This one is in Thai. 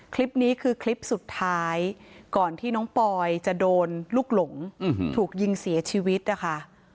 คลิปนี้คือคลิปสุดท้ายก่อนที่น้องปอยจะโดนลูกหลงถูกยิงเสียชีวิตนะคะ